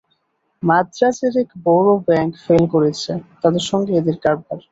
মাদ্রাজের এক বড়ো bank fail করেছে, তাদের সঙ্গে এদের কারবার।